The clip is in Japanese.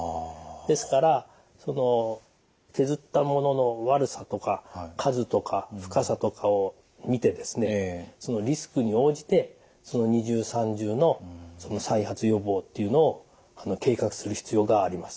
ですから削ったものの悪さとか数とか深さとかを診てですねそのリスクに応じて二重三重の再発予防っていうのを計画する必要があります。